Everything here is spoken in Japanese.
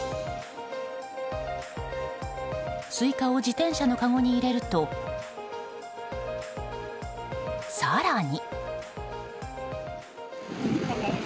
スイカを自転車のかごに入れると更に。